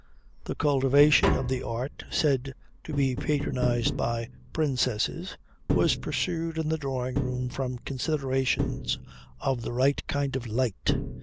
The cultivation of the art said to be patronized by princesses was pursued in the drawing room from considerations of the right kind of light.